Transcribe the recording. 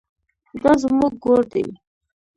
دا زموږ ګور دی؟